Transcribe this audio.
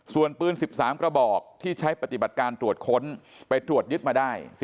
ส่วนปืน๑๓กระบอกที่ใช้ปฏิบัติการตรวจค้นไปตรวจยึดมาได้